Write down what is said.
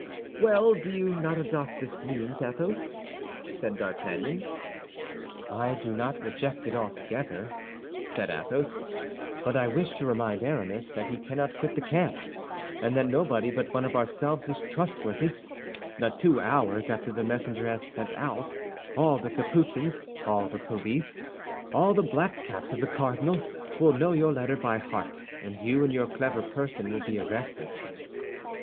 "Well, do you not adopt this means, Athos?" said D'Artagnan. "I do not reject it altogether," said Athos; "but I wish to remind Aramis that he cannot quit the camp, and that nobody but one of ourselves is trustworthy; that two hours after the messenger has set out, all the Capuchins, all the police, all the black caps of the cardinal, will know your letter by heart, and you and your clever person will be arrested."